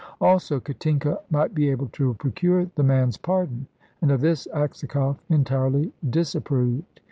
Also, Katinka might be able to procure the man's pardon, and of this Aksakoff entirely disapproved.